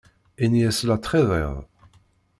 Ini-as la ttxiḍiɣ.